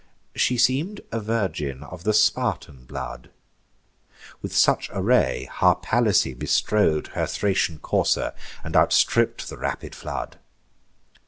She seem'd a virgin of the Spartan blood: With such array Harpalyce bestrode Her Thracian courser and outstripp'd the rapid flood.